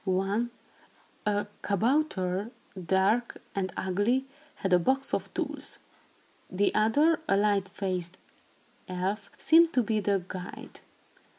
One, a kabouter, dark and ugly, had a box of tools. The other, a light faced elf, seemed to be the guide.